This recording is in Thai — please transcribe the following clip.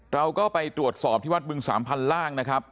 เราก็ไปตรวจสอบที่วัดบึงสามพันล่างนะครับ